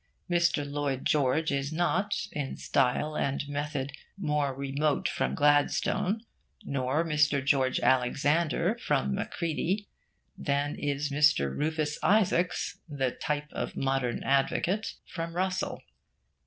Mr. Lloyd George is not, in style and method, more remote from Gladstone, nor Mr. George Alexander from Macready, than is Mr. Rufus Isaacs, the type of modern advocate, from Russell.